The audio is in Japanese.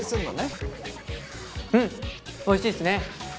うんおいしいっすね。